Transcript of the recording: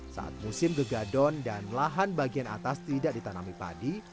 saat musim gegadon dan lahan bagian atas tidak ditanami padi